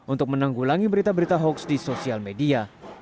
untuk menanggulangi berita berita hoax di sosial media